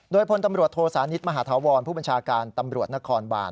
โดยพลตำรวจโทสานิทมหาธาวรผู้บัญชาการตำรวจนครบาน